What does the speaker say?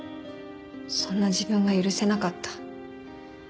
そんな自分が許せなかった。